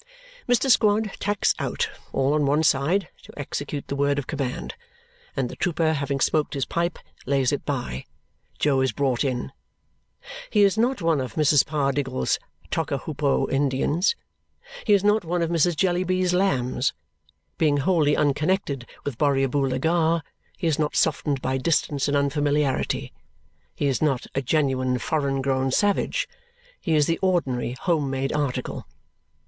Mr. Squod tacks out, all on one side, to execute the word of command; and the trooper, having smoked his pipe, lays it by. Jo is brought in. He is not one of Mrs. Pardiggle's Tockahoopo Indians; he is not one of Mrs. Jellyby's lambs, being wholly unconnected with Borrioboola Gha; he is not softened by distance and unfamiliarity; he is not a genuine foreign grown savage; he is the ordinary home made article.